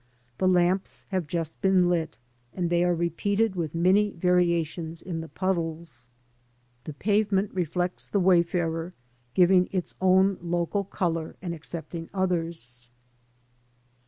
The lamps have just been lit, and they are repeated with many variations in the puddles. The pavement reflects the wayfarer, giving its own local colour and accepting others. REFLECTIONS.